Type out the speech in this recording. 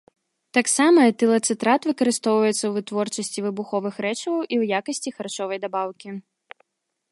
Таксама этылацэтат выкарыстоўваецца ў вытворчасці выбуховых рэчываў і ў якасці харчовай дабаўкі.